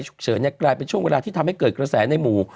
ฉุกเฉินกลายเป็นช่วงเวลาที่ทำให้เกิดกระแสในหมู่